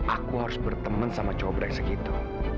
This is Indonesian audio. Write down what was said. aku harus berteman sama cowok beresek itu